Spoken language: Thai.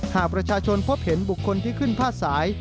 หากประชาชนพบเห็นบุคคลที่ขึ้นพาดสาย